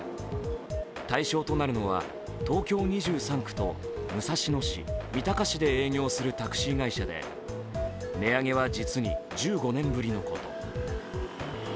対象となるのは東京２３区と武蔵野市、三鷹市で営業するタクシー会社で値上げは実に１５年ぶりのこと。